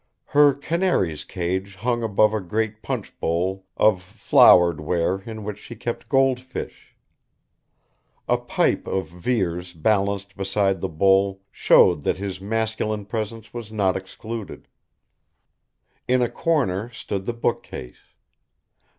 Her canaries' cage hung above a great punch bowl of flowered ware in which she kept gold fish. A pipe of Vere's balanced beside the bowl showed that his masculine presence was not excluded. In a corner stood the bookcase.